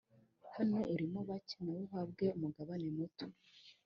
naho urimo bake na wo uhabwe umugabane muto.